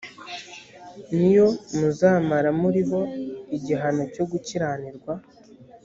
ni yo muzamara muriho igihano cyo gukiranirwa